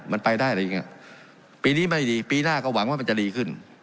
มันไปได้อะไรอย่างเงี้ยปีนี้ไม่ดีปีหน้าก็หวังว่ามันจะดีขึ้น